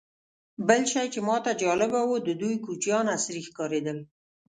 بل شی چې ماته جالبه و، د دوی کوچیان عصري ښکارېدل.